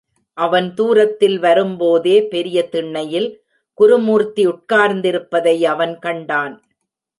அவன் தூரத்தில் வரும்போதே, பெரிய திண்ணையில் குருமூர்த்தி உட்கார்ந்திருப்பதை அவன் கண்டான்.